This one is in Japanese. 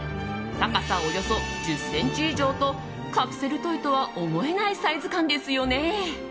高さおよそ１０ｃｍ以上とカプセルトイとは思えないサイズ感ですよね。